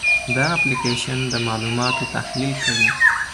دا اپلیکیشن د معلوماتو تحلیل کوي.